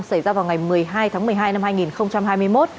xảy ra vào ngày một mươi hai tháng một mươi hai năm hai nghìn hai mươi một